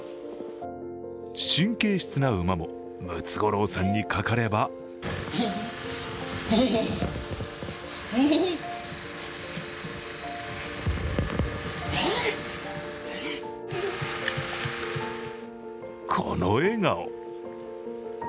神経質な馬も、ムツゴロウさんにかかればこの笑顔。